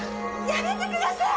やめてください！